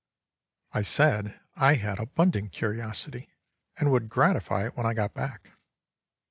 I said I had abundant curiosity, and would gratify it when I got back.